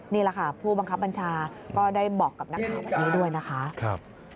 นี่แหละค่ะผู้บังคับบัญชาก็ได้บอกกับนักข่าวแบบนี้ด้วยนะคะ